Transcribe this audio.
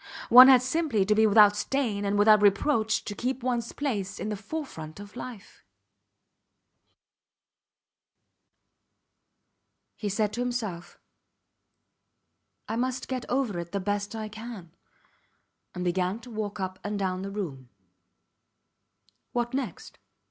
One had simply to be without stain and without reproach to keep ones place in the forefront of life. He said to himself, I must get over it the best I can, and began to walk up and down the room. What next?